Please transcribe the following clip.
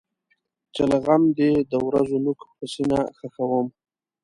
چې له غم دی د ورځو نوک په سینه خښوم.